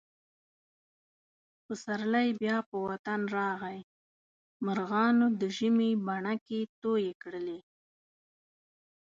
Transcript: پسرلی بیا په وطن راغی. مرغانو د ژمي بڼکې تویې کړلې.